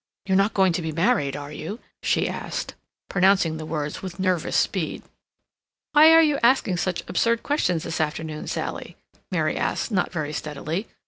"You're not going to be married, are you?" she asked, pronouncing the words with nervous speed. "Why are you asking such absurd questions this afternoon, Sally?" Mary asked, not very steadily.